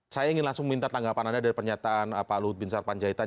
saya ingin langsung minta tanggapan anda dari pernyataan pak luhut bin sarpanjaitan